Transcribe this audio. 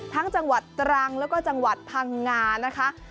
ทั้งจังหวัดตรังแล้วก็จังหวัดพังงานะคะ